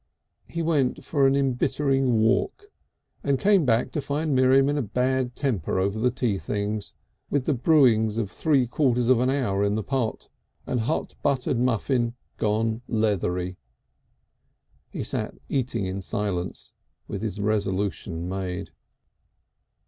He went for an embittering walk, and came back to find Miriam in a bad temper over the tea things, with the brewings of three quarters of an hour in the pot, and hot buttered muffin gone leathery. He sat eating in silence with his resolution made.